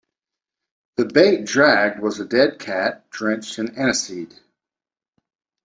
The bait dragged was a dead cat drenched in aniseed.